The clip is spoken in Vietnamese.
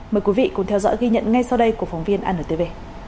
mời quý vị cùng theo dõi ghi nhận ngay sau đây của phóng viên antv